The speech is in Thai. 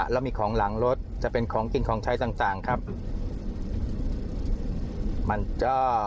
แล้วมีของหลังรถจะเป็นของกินของใช้ต่างครับ